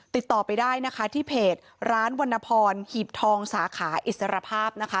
ติดต่อไปได้นะคะที่เพจร้านวรรณพรหีบทองสาขาอิสรภาพนะคะ